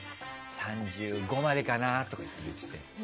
３５までかなとか言ってて。